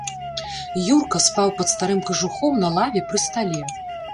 Юрка спаў пад старым кажухом на лаве пры стале.